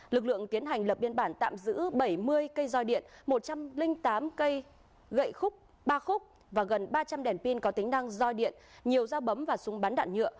lực lượng tiến hành lập biên bản tạm giữ bảy mươi cây roi điện một trăm linh tám cây gậy khúc ba khúc và gần ba trăm linh đèn pin có tính năng roi điện nhiều giao bấm và súng bắn đạn nhựa